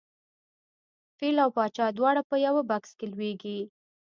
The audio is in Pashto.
فیل او پاچا دواړه په یوه بکس کې لویږي.